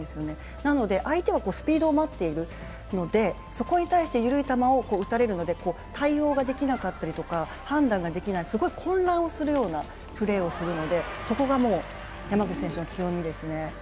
なので相手はスピードを待っているのでそこに対して緩い球を打たれるので対応ができなかったりとか判断ができない、すごい混乱をするようなプレーをするのでそこがもう、山口選手の強みですね。